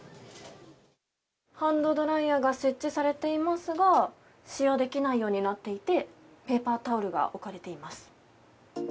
ハンドドライヤーが設置されていますが使用できないようになっていてペーパータオルが置かれています。